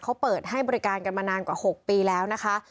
เขาเปิดให้บริการกันมานานกว่า๖ปีแล้วนะคะ